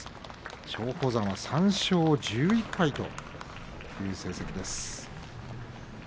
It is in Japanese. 松鳳山は３勝１１敗という成績です。